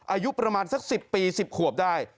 อายุประมาณสัก๑๐ปี๑๐ขวบได้